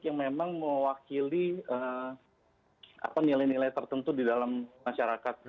yang memang mewakili nilai nilai tertentu di dalam masyarakat